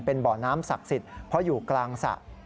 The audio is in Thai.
เป็นบ่อน้ำศักดิ์สิทธิ์เพราะอยู่กลางสระ